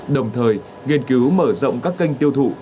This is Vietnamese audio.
đồng thời nghiên cứu mở rộng các kênh tiêu thụ